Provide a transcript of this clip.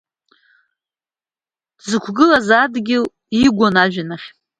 Дзықәгылаз адгьыл игәон ажәҩан ахь.